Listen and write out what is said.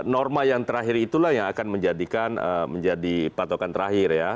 norma yang terakhir itulah yang akan menjadikan menjadi patokan terakhir ya